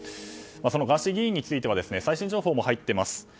ガーシー議員については最新情報も入っています。